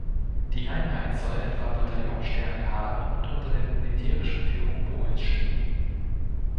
Die Einheit soll etwa Bataillonsstärke haben und unter der militärischen Führung Polens stehen.